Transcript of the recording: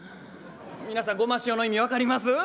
皆さんごましおの意味分かります？